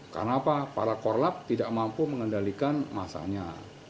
karena apa para korlap tidak mampu mengendalikan masanya